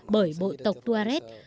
bởi bộ tộc tuaret